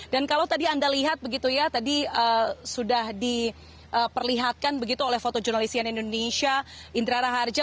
dan kalau tadi anda lihat begitu ya tadi sudah diperlihatkan begitu oleh foto jurnalisian indonesia indra raharja